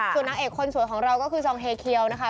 ส่วนนางเอกคนสวยของเราก็คือจองเฮเคียวนะคะ